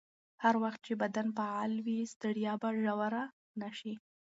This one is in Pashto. هر وخت چې بدن فعال وي، ستړیا به ژوره نه شي.